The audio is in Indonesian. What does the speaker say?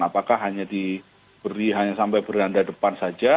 apakah hanya diberi hanya sampai beranda depan saja